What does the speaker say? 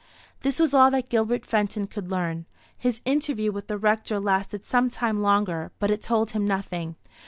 This was all that Gilbert Fenton could learn. His interview with the Rector lasted some time longer; but it told him nothing.